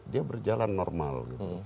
dia berjalan normal